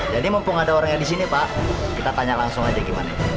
jadi mumpung ada orangnya di sini pak kita tanya langsung aja gimana